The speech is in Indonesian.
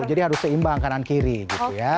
jadi harus seimbang kanan kiri gitu ya